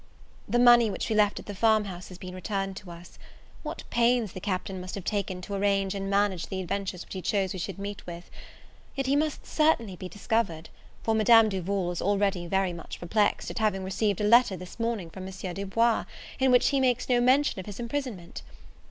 The money which we left at the farm house has been returned to us. What pains the Captain must have taken to arrange and manage the adventures which he chose we should meet with! Yet he must certainly be discovered; for Madame Duval is already very much perplexed, at having received a letter this morning from M. Du Bois, in which he makes no mention of his imprisonment.